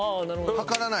量らない？